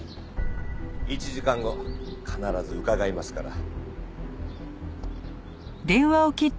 １時間後必ず伺いますから。